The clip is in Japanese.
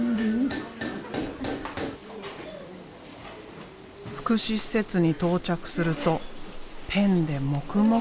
福祉施設に到着するとペンで黙々と書き始める。